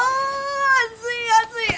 暑い暑い！